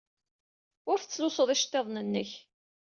Ur tettlusud iceḍḍiḍen-nnek.